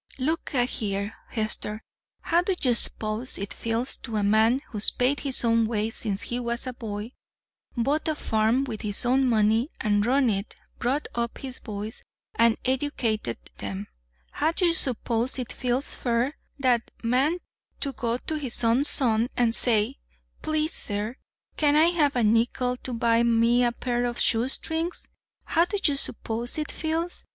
"Look a here, Hester, how do you s'pose it feels to a man who's paid his own way since he was a boy, bought a farm with his own money an' run it, brought up his boys an' edyercated 'em how do ye s'pose it feels fur that man ter go ter his own son an' say: 'Please, sir, can't I have a nickel ter buy me a pair o' shoestrings?' How do ye s'pose it feels?